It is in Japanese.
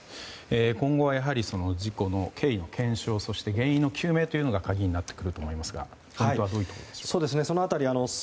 今後はやはり事故の経緯の検証そして原因究明が鍵になってくると思いますがポイントはどういうところにあるでしょうか。